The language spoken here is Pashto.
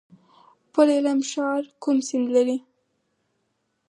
پل علم ښار کوم سیند لري؟